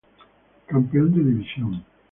Campeón de división.